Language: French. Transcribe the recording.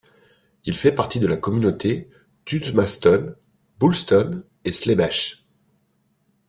Il fait partie de la communauté d'Uzmaston, Boulston et Slebech.